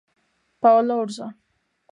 Paolo Urso.